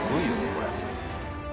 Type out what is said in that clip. これ」